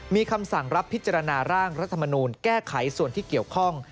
มีคำสั่งรับพิจารณาร่างรัฐมนูลแก้ไขส่วนที่เกี่ยวข้อง